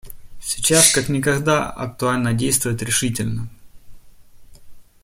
Сейчас как никогда актуально действовать решительно.